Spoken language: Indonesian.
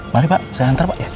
mari pak saya antar pak ya